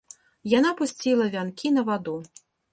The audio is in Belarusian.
Яна пусціла вянкі на ваду.